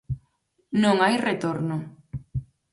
Non hai retorno.